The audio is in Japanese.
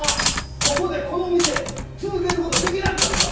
ここでこの店続ける事できなくなるぞ。